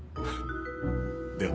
では。